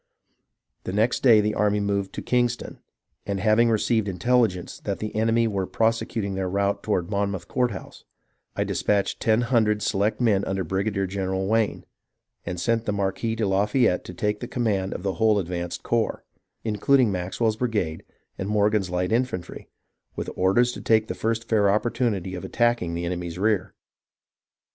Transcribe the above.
The next day the army moved to Kingston, and having re ceived intelligence that the enemy were prosecuting their route toward Monmouth Courthouse, I dispatched ten hundred select men under Brigadier general Wayne, and sent the Marquis de Lafayette to take the command of the whole advanced corps, in cluding Maxwell's brigade and Morgan's light infantry, with orders to take the first fair opportunity of attacking the enemy's rear.